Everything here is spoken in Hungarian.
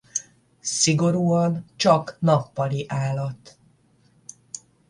Szigorúan csak nappali állat.